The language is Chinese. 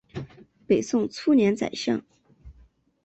北宋初年宰相。